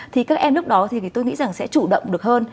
thì các em lúc đó tôi nghĩ sẽ chủ động được hơn